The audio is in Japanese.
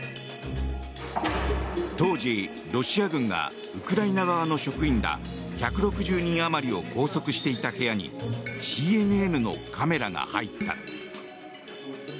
当時、ロシア軍がウクライナ側の職員ら１６０人あまりを拘束していた部屋にＣＮＮのカメラが入った。